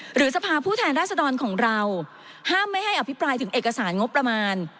สภาพผู้แทนราษดรของเราห้ามไม่ให้อภิปรายถึงเอกสารงบประมาณ